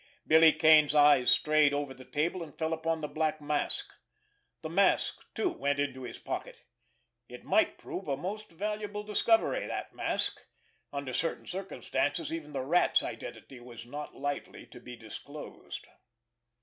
Billy Kane's eyes strayed over the table, and fell upon the black mask. The mask, too, went into his pocket. It might prove a most valuable discovery, that mask—under certain circumstances even the Rat's identity was not lightly to be disclosed.